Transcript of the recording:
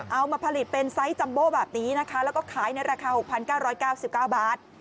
เอามาผลิตเป็นไซส์จัมโบ้แบบนี้นะคะแล้วก็ขายในราคา๖๙๙๙บาท